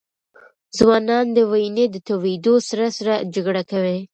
ځوانان د وینې د تویېدو سره سره جګړه کوي.